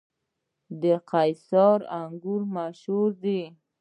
د قیصار انګور مشهور دي